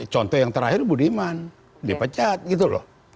contoh yang terakhir budiman dipecat gitu loh